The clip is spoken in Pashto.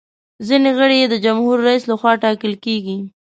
ځینې غړي یې د جمهور رئیس لخوا ټاکل کیږي.